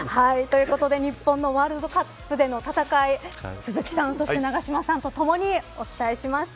日本のワールドカップでの戦い鈴木さん、そして永島さんとともにお伝えしました。